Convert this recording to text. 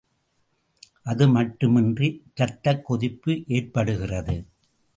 அது மட்டுமின்றி இரத்தக் கொதிப்பு ஏற்படுகிறது.